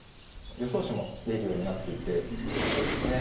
予想手も出るようになっていてそうですね